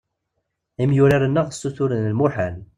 Imyurar-nneɣ ssuturen lmuḥal.